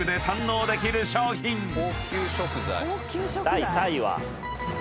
第３位は。